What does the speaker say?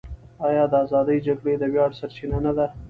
آیا د ازادۍ جګړې د ویاړ سرچینه نه ده؟